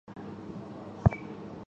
教堂大道车站列车服务。